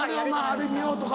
あれ見ようとか。